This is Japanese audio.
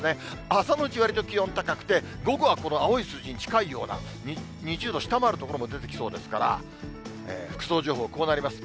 朝のうち、わりと気温高くて、午後はこの青い数字に近いような、２０度下回る所も出てきそうですから、服装情報、こうなります。